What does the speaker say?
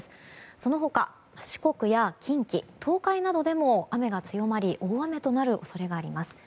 その他、四国や近畿・東海などでも雨が強まり大雨となる恐れがあります。